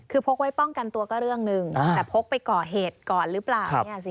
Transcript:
คือพกไว้ป้องกันตัวก็เรื่องหนึ่งแต่พกไปก่อเหตุก่อนหรือเปล่า